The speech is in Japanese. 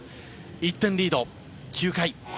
１点リード、９回。